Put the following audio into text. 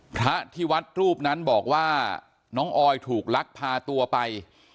พระที่วัดรูปนั้นบอกว่าน้องออยถูกลักพาตัวไป